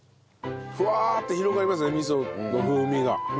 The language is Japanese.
ふわって広がりますね味噌の風味が。